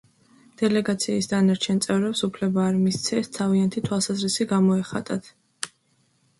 დელეგაციის დანარჩენ წევრებს უფლება არ მისცეს თავიანთი თვალსაზრისი გამოეხატათ.